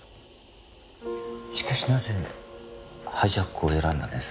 しかしなぜハイジャックを選んだんです？